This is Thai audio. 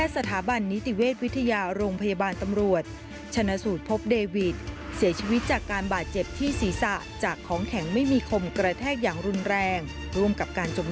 สวัสดีค่ะ